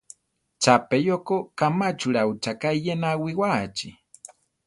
Chapeyó ko kamáchura ucháka iyéna awiwáachi.